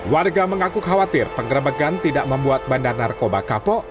warga mengaku khawatir penggerebegan tidak membuat bandar narkoba kapok